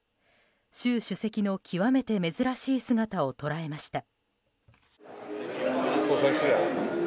習主席の極めて珍しい姿を捉えました。